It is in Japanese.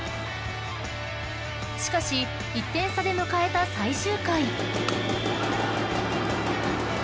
［しかし１点差で迎えた最終回］